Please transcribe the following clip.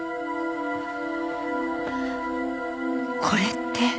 これって。